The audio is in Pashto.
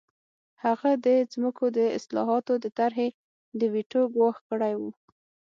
هغه د ځمکو د اصلاحاتو د طرحې د ویټو ګواښ کړی و